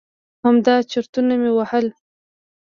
همدا چرتونه مې وهل.